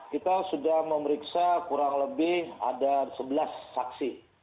kita sudah memeriksa kurang lebih ada sebelas saksi